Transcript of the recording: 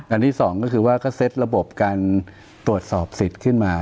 ที่สองก็คือว่าก็เซ็ตระบบการตรวจสอบสิทธิ์ขึ้นมา